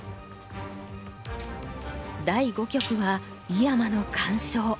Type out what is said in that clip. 第五局は井山の完勝。